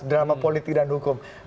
drama politik dan hukum